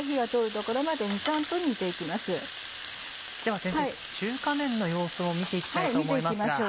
では先生中華麺の様子を見て行きたいと思いますが。